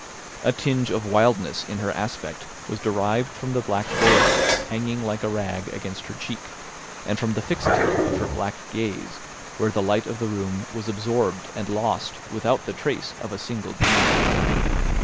A tinge of wildness in her aspect was derived from the black veil hanging like a rag against her cheek, and from the fixity of her black gaze where the light of the room was absorbed and lost without the trace of a single gleam.